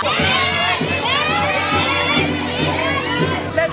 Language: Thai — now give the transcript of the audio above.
อี้อี้ว๊าได้